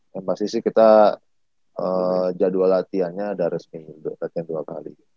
yang pasti sih kita jadwal latihannya ada resmi juga